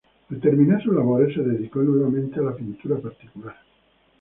Al terminar sus labores, se dedicó nuevamente a la pintura particular.